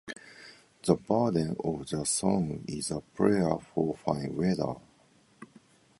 The burden of their songs is a prayer for fine weather.